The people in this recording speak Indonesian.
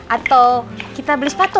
atau kita beli sepatu